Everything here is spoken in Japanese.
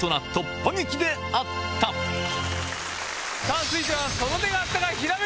さぁ続いては。